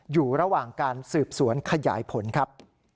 อยู่ระหว่างการสืบสวนขยายผลครับ